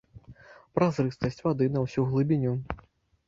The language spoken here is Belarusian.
Празрыстасць вады на ўсю глыбіню.